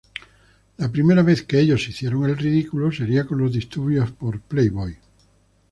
La primera vez que ellos 'hicieron el ridículo' sería con los disturbios por "Playboy".